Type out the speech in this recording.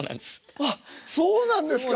ああそうなんですか。